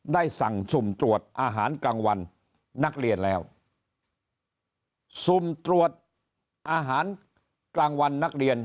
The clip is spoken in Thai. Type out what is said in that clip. ได้สั่งสุ่มตรวจอาหารกลางวันนักเรียนแล้วสุ่มตรวจอาหารกลางวันนักเรียน